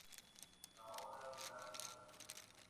La obra de la Dra.